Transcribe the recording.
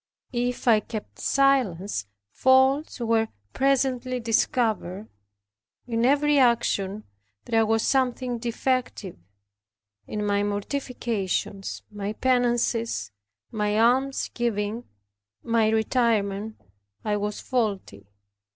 If I kept silence, faults were presently discovered in every action there was something defective in my mortifications, my penances, my alms giving, my retirement, I was faulty.